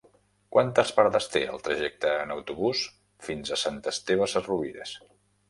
Quantes parades té el trajecte en autobús fins a Sant Esteve Sesrovires?